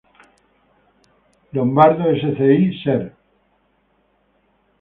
Lombardo Sci., Ser.